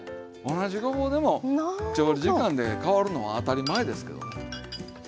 同じごぼうでも調理時間で変わるのは当たり前ですけどね。